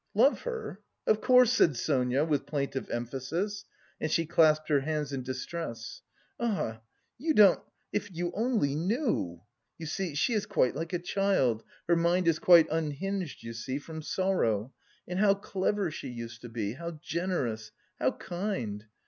"Love her? Of course!" said Sonia with plaintive emphasis, and she clasped her hands in distress. "Ah, you don't.... If you only knew! You see, she is quite like a child.... Her mind is quite unhinged, you see... from sorrow. And how clever she used to be... how generous... how kind!